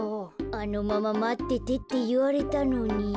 あのまままっててっていわれたのに。